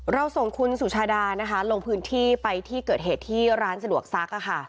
เราส่งคุณสุชาดานะคะลงพื้นที่ไปที่เกิดเหตุที่ร้านสะดวกซัก